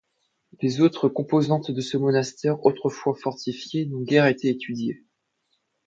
Les autres composantes de ce monastère autrefois fortifié n'ont guère été étudiées.